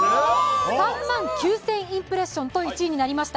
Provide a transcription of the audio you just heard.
３万９０００インプレッションと１位になりました。